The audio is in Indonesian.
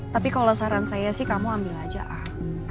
tapi kalau saran saya sih kamu ambil aja ah